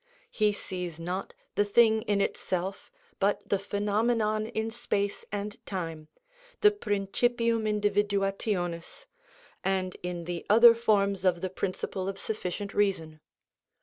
He sees not the thing in itself but the phenomenon in time and space, the principium individuationis, and in the other forms of the principle of sufficient reason.